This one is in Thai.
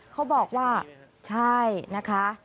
เขาบอกว่าใช่นะคะ